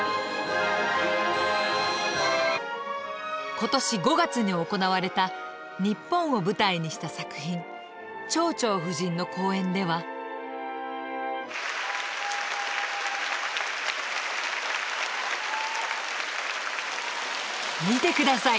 今年５月に行われた日本を舞台にした作品「蝶々夫人」の公演では見てください